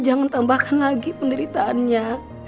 jangan tambahkan lagi penderitaannya